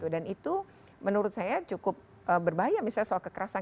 dan itu menurut saya cukup berbahaya misalnya soal kekerasan